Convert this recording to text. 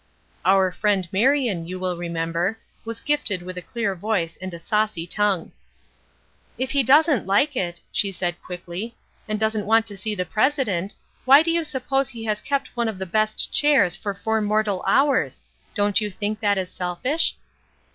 Our friend Marion, you will remember, was gifted with a clear voice and a saucy tongue. "If he doesn't like it," she said, quickly, "and doesn't want to see the president, why do you suppose he has kept one of the best chairs for four mortal hours? Don't you think that is selfish?"